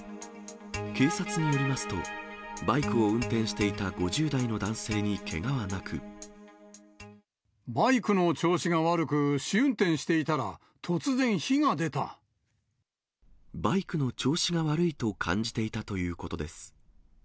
警察によりますと、バイクを運転していた５０代の男性にけがはなバイクの調子が悪く、バイクの調子が悪いと感じていたということです。